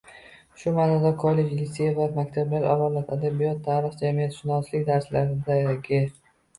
Shu ma’noda kollej, litsey va maktablarda, avvalo, adabiyot, tarix, jamiyatshunoslik darslaridagi